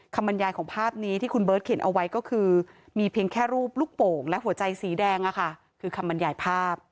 บรรยายของภาพนี้ที่คุณเบิร์ตเขียนเอาไว้ก็คือมีเพียงแค่รูปลูกโป่งและหัวใจสีแดงคือคำบรรยายภาพ